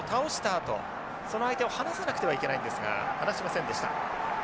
あとその相手を離さなくてはいけないんですが離しませんでした。